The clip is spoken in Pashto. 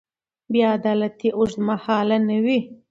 بې عدالتي اوږدمهاله نه وي